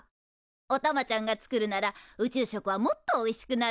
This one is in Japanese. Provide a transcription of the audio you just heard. おたまちゃんが作るなら宇宙食はもっとおいしくなるわね。